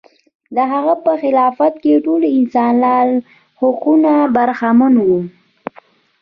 د هغه په خلافت کې ټول انسانان له حقونو برخمن و.